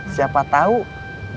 siapa tau dia sudah berhenti